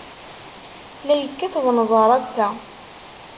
La yekkat unẓar ass-a.